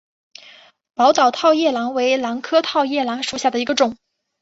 宝岛套叶兰为兰科套叶兰属下的一个种。